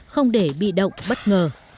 không để bị động bất ngờ